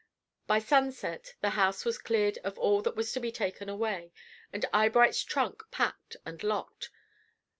By sunset the house was cleared of all that was to be taken away, and Eyebright's trunk packed and locked.